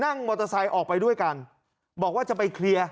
มอเตอร์ไซค์ออกไปด้วยกันบอกว่าจะไปเคลียร์